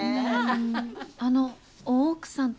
あのう大奥さんって。